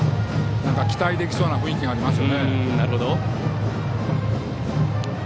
期待できそうな雰囲気があります。